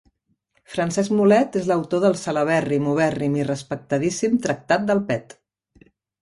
Francesc Mulet és l'autor del celebèrrim, ubèrrim i respectadíssim 'Tractat del Pet'.